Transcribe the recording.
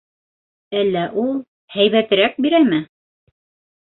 Әллә ул... һәйбәтерәк бирәме?